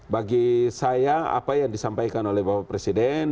bagi saya apa yang disampaikan oleh bapak presiden